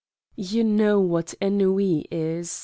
You know what ennui is.